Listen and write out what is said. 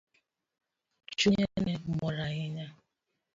Chunye ne mor ahinya.